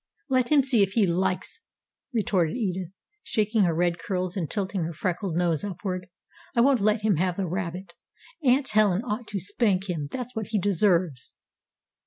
"Let him see me if he likes," retorted Edith, shaking her red curls and tilting her freckled nose upward. "I won't let him have the rabbit. Aunt Helen ought to spank him. That's what he deserves."